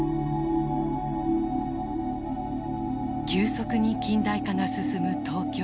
急速に近代化が進む東京。